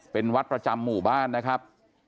เป็นวัดประจำหมู่บ้านนะครับ